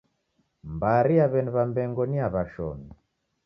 Mbari ya W'eni Wambengo ni ya w'ashomi